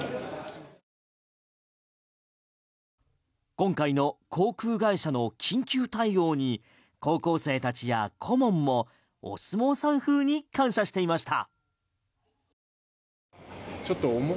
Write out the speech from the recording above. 今回の航空会社の緊急対応に高校生たちや顧問もお相撲さん風に感謝していました。